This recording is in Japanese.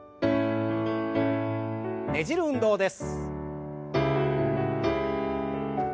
ねじる運動です。